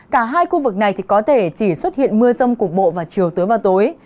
cả hai khu vực này có thể chỉ xuất hiện mưa rông cục bộ vào chiều tối và tối